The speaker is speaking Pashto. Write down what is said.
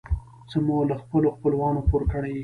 څه مې له خپلو خپلوانو پور کړې.